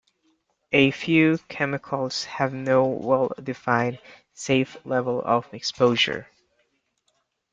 A few chemicals have no well-defined safe level of exposure.